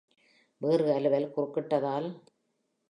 வேறு அலுவல் குறுக்கிட்டதால்.